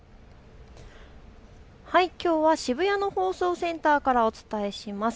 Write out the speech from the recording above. きょうは渋谷の放送センターからお伝えします。